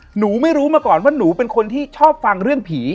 หนูไม่รู้มาก่อนว่าหนูเป็นคนที่ชอบฟังเรื่องผี